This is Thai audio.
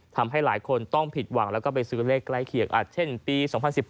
ทำให้หลายคนต้องผิดหวังแล้วก็ไปซื้อเลขใกล้เคียงอาจเช่นปี๒๐๑๘